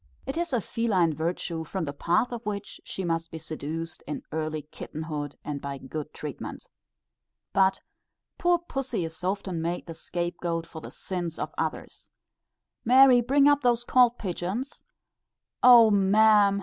It is a feline virtue, from the path of which she must be seduced in early kitten hood, and by good treatment. But poor pussy is often made the scape goat for the sins of others. "Mary, bring up those cold pigeons." "O ma'am!